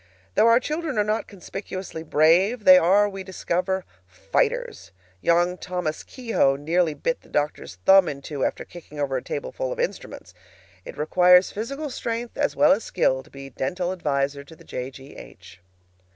Though our children are not conspicuously brave, they are, we discover, fighters. Young Thomas Kehoe nearly bit the doctor's thumb in two after kicking over a tableful of instruments. It requires physical strength as well as skill to be dental adviser to the J. G. H.